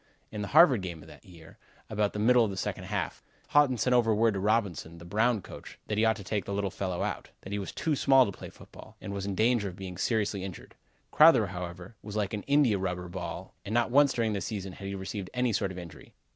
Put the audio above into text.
In the Harvard game of that year, about the middle of the second half, Haughton sent word over to Robinson, the Brown coach, that he ought to take the little fellow out; that he was too small to play football, and was in danger of being seriously injured. Crowther, however, was like an India rubber ball and not once during the season had he received any sort of injury.